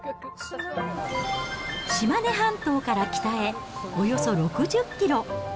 島根半島から北へおよそ６０キロ。